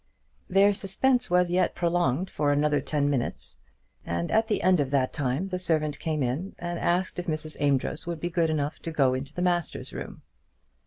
Their suspense was yet prolonged for another ten minutes, and at the end of that time the servant came in and asked if Miss Amedroz would be good enough to go into the master's room.